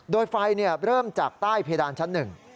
โดยไฟเริ่มจากใต้เพดานชั้นหนึ่ง